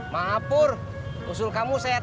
mahapur usul kamu saya tolak